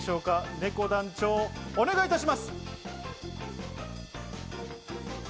ねこ団長、お願いいたします。